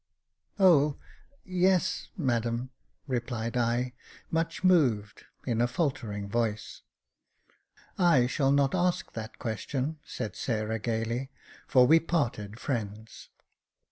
" Jacob Faithful 315 " O, yes, madam," replied I, much moved, in a faltering voice. I shall not ask that question," said Sarah, gaily, *' for we parted friends."